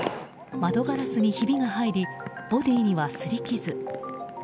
窓ガラスにひびが入りボディーには、すり傷。